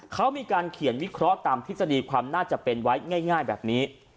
เขามีการเขียนวิเคราะห์ตามทฤษฎีความน่าจะเป็นไว้ง่ายแบบนี้